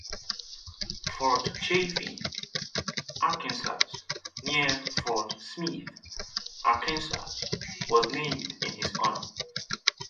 Fort Chaffee, Arkansas, near Fort Smith, Arkansas, was named in his honor.